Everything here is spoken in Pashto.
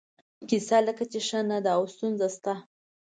کیسه لکه چې ښه نه ده او ستونزه شته.